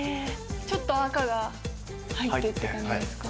ちょっと赤が入ってって感じですか。